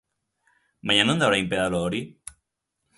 Baina non da orain pedalo hori?